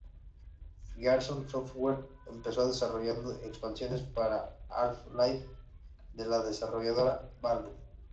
Gearbox Software empezó desarrollando expansiones para "Half-Life de la desarrolladora Valve".